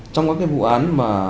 trong các vụ án